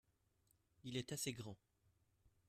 Il est assez grand.